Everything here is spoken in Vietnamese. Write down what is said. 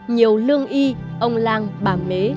nhiều lương y ông lan bà mế